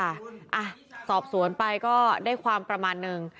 อ่ะสอบสวนไปก็ได้ความประมาณนึง